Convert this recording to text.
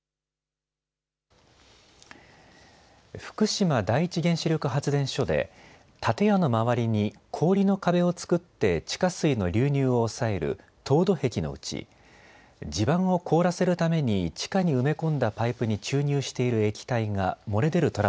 福島第一原子力発電所で建屋の周りに氷の壁を作って地下水の流入を抑える凍土壁のうち地盤を凍らせるために地下に埋め込んだパイプに注入している液体が漏れ出る